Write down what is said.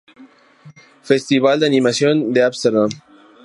Festival de Animación de Ámsterdam.